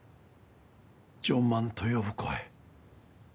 「ジョン万」と呼ぶ声。